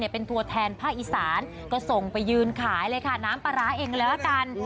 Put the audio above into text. เป็นตัวแทนภาคอีสานก็ส่งไปยืนขายเลยค่ะน้ำปลาร้าเองเลยละกัน